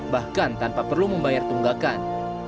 bahkan tanpa perlu membayar tunggakan